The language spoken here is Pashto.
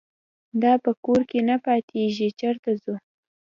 دا په کور کې نه پاتېږي چېرته ځو.